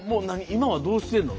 今はどうしてんの？